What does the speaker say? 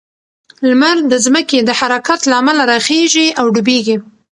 لمر د ځمکې د حرکت له امله راخیژي او ډوبیږي.